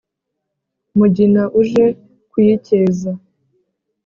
mugina uje kuyikeza